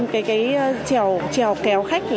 cái trèo kéo khách